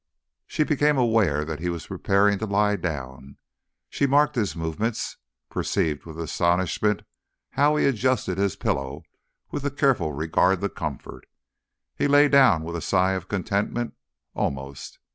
She became aware that he was preparing to lie down. She marked his movements, perceived with astonishment how he adjusted his pillow with a careful regard to comfort. He lay down with a sigh of contentment almost.